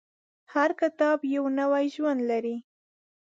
هر کتاب یو نوی ژوند لري.